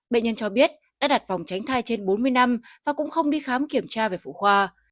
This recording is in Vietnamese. bệnh nhân cho biết đã đặt phòng tránh thai trên bốn mươi năm và cũng không đi khám kiểm tra về phụ khoa